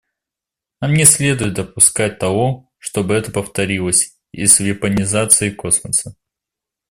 Нам не следует допускать того, чтобы это повторилось и с вепонизацией космоса.